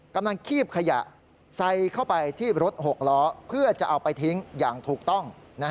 คีบขยะใส่เข้าไปที่รถ๖ล้อเพื่อจะเอาไปทิ้งอย่างถูกต้อง